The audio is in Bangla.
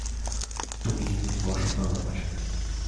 তুমি একটু বস তো আমার পাশে।